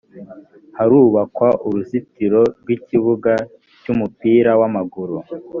harubakwa uruzitiro rw ikibuga cy ‘umupira w ‘amaguru .